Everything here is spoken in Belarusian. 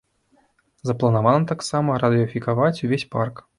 Запланавана таксама радыёфікаваць увесь парк.